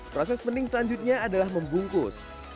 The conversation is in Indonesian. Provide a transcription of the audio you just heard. proses mending selanjutnya adalah membungkus